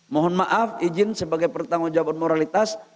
mohon maaf izin sebagai pertanggung jawaban moralitas